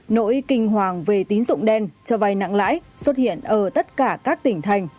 nỗi kinh hoàng về tín dụng đen cho vay nặng lãi xuất hiện ở tất cả các tỉnh thành